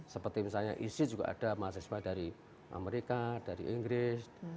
seperti misalnya isis juga ada mahasiswa dari amerika dari inggris